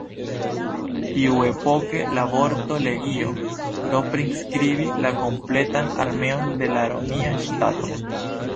Tiuepoke la vorto "legio" do priskribis la kompletan armeon de la romia ŝtato.